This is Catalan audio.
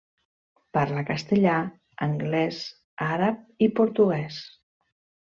Parla castellà, anglès, àrab, i portuguès.